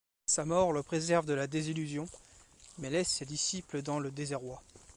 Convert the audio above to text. Sa mort le préserve de la désillusion, mais laisse ses disciples dans le désarroi.